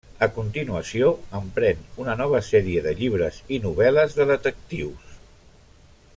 A continuació, emprèn una nova sèrie de llibres i novel·les de detectius.